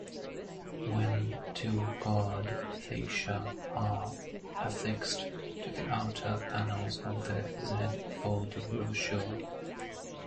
When two card fascia are affixed to the outer panels of the z-folded brochure.